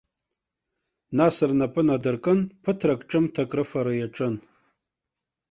Нас рнапы надыркын, ԥыҭрак ҿымҭ акрыфара иаҿын.